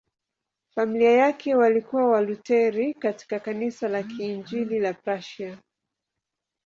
Familia yake walikuwa Walutheri katika Kanisa la Kiinjili la Prussia.